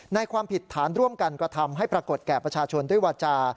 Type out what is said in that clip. ความผิดฐานร่วมกันกระทำให้ปรากฏแก่ประชาชนด้วยวาจา